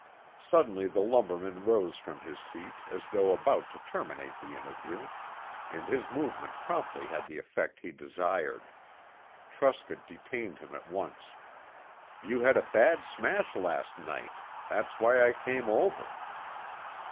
Suddenly the lumberman rose from his seat as though about to terminate the interview, and his movement promptly had the effect he desired. Truscott detained him at once. "You had a bad smash, last night. That's why I came over."